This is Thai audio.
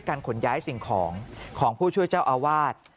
ขนย้ายสิ่งของของผู้ช่วยเจ้าอาวาส